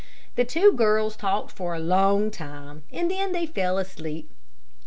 The two girls talked for a long time, and then they fell asleep.